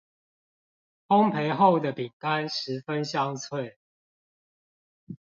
烘焙後的餅乾十分香脆